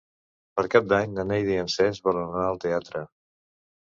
Per Cap d'Any na Neida i en Cesc volen anar al teatre.